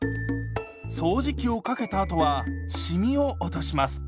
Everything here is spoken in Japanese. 掃除機をかけたあとはシミを落とします。